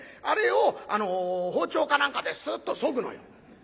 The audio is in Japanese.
あれを包丁か何かでスッとそぐのよ。